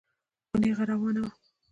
خو نېغه روانه وه.